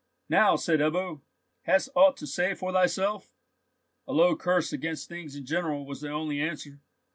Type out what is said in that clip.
"Now," said Ebbo, "hast ought to say for thyself?" A low curse against things in general was the only answer.